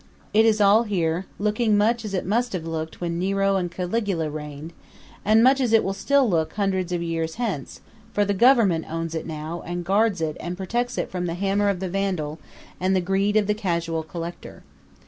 It is all here, looking much as it must have looked when Nero and Caligula reigned, and much as it will still look hundreds of years hence, for the Government owns it now and guards it and protects it from the hammer of the vandal and the greed of the casual collector.